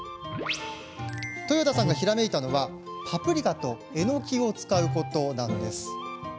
豊田さんがひらめいたのはパプリカとえのきを使うこと。